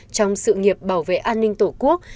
trong sự nghiệp bảo vệ an ninh tổ quốc